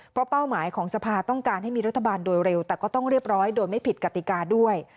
เพราะเป้าหมายของสภาต้องการให้มีรัฐบาลโดยเร็วแต่ก็ต้องเรียบร้อยโดยไม่ผิดกติกาด้วย